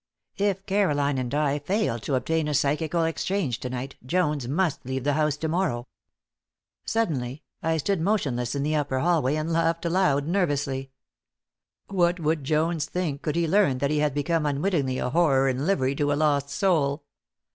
If Caroline and I failed to obtain a psychical exchange to night Jones must leave the house to morrow. Suddenly, I stood motionless in the upper hallway and laughed aloud, nervously. What would Jones think could he learn that he had become unwittingly a horror in livery to a lost soul?